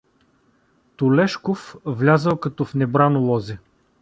Тулешков влязъл като в небрано лозе.